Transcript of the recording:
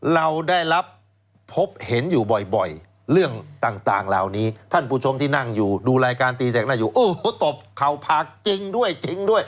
เราได้รับพบเห็นอยู่บ่อยเรื่องต่างเหล่านี้ท่านผู้ชมที่นั่งอยู่ดูรายการตีแสกหน้าอยู่โอ้โหตบเข่าผากจริงด้วยจริงด้วย